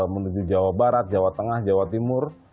menuju jawa barat jawa tengah jawa timur